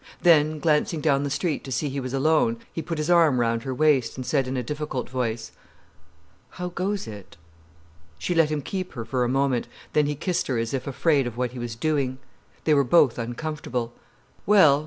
Then, glancing down the street to see he was alone, he put his arm round her waist and said in a difficult voice: "How goes it?" She let him keep her for a moment, then he kissed her as if afraid of what he was doing. They were both uncomfortable. "Well——!"